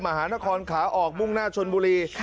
มหานครขาออกมุ่งหน้าชนบุรี